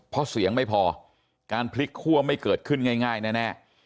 เพราะเสียงไม่พอการพลิกคั่วไม่เกิดขึ้นง่ายแน่